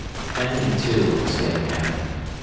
Annie, too, was getting married.